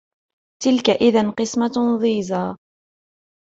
تلك إذا قسمة ضيزى